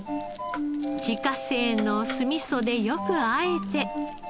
自家製の酢みそでよくあえて。